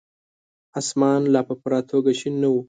اسمان لا په پوره توګه شين نه وو.